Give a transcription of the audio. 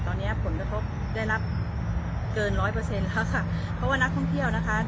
ตอนนี้ผลกระทบได้รับเกินร้อยเปอร์เซ็นต์แล้วค่ะเพราะว่านักท่องเที่ยวนะคะ